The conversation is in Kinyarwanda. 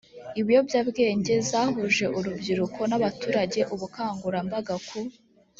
ibiyobyabwenge zahuje urubyiruko n abaturage ubukangurambaga ku